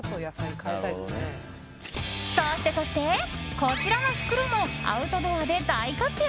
そしてそしてこちらの袋もアウトドアで大活躍。